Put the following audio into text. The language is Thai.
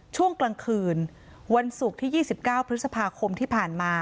ช่วงกลางคืนวันศุกร์ที่๒๙พฤษภาคมที่ผ่านมา